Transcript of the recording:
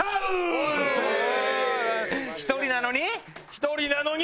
１人なのに。